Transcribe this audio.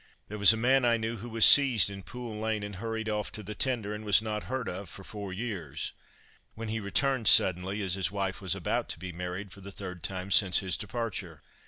There was a man I knew who was seized in Pool lane and hurried off to the tender, and was not heard of for four years, when he returned suddenly as his wife was about to be married for the third time since his departure.